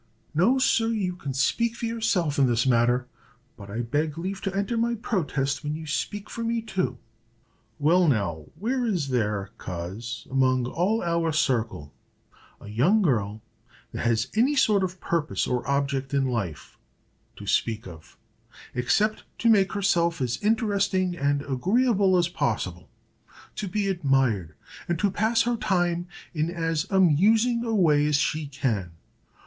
"No, sir; you can speak for yourself in this matter, but I beg leave to enter my protest when you speak for me too." "Well, now, where is there, coz, among all our circle, a young girl that has any sort of purpose or object in life, to speak of, except to make herself as interesting and agreeable as possible? to be admired, and to pass her time in as amusing a way as she can?